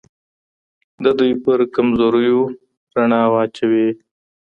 د دوی پر کمزوریو رڼا اچوي